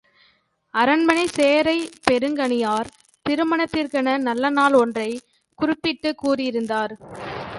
அரண்மனைச் சேனைப்பெருங்கணியார், திருமணத்திற்கென நல்ல நாள் ஒன்றைக் குறிப்பிட்டுக் கூறியிருந்தார்.